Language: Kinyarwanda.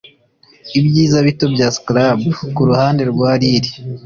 ibyiza bito bya scrub kuruhande rwa rill;